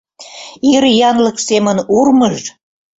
Ир янлык семын урмыж.